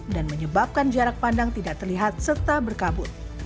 dan menyebabkan jarak pandang tidak terlihat serta berkabut